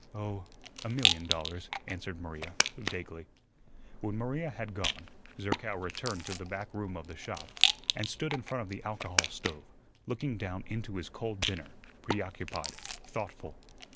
"Oh, a million dollars," answered Maria, vaguely. When Maria had gone, Zerkow returned to the back room of the shop, and stood in front of the alcohol stove, looking down into his cold dinner, preoccupied, thoughtful.